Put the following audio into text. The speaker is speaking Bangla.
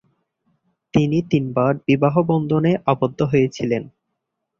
তিনি তিনবার বিবাহবন্ধনে আবদ্ধ হয়েছিলেন।